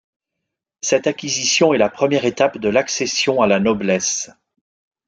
Cette acquisition est la première étape de l’accession à la noblesse.